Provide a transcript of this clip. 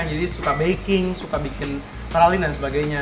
jadi suka baking suka bikin pralin dan sebagainya